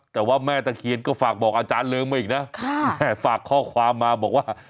แต่ว่าแม่ตะเคียนก็ฝากบอกอาจารย์เริงมาอีกนะฝากข้อความมาบอกว่า